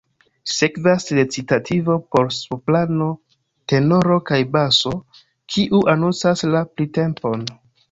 Sekvas recitativo por soprano, tenoro kaj baso, kiu anoncas la printempon.